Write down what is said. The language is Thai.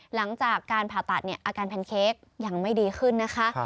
หลังจากการผ่าตัดอาการแพนเค้กยังไม่ดีขึ้นนะคะ